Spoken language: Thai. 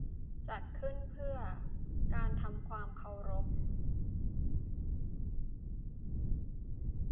จัดขึ้นเพื่อเป็นการทำความเคารพ